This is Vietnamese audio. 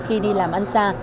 khi đi làm ăn xa